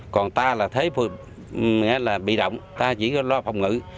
còn ta là thế bị động ta chỉ có lo phòng ngữ